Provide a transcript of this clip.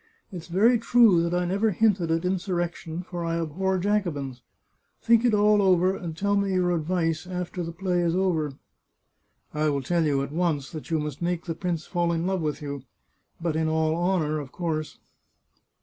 It's very true that I never hinted at in surrection, for I abhor Jacobins. Think it all over, and tell me your advice, after the play is over." " I will tell you at once that you must make the prince fall in love with you ... but in all honour, of course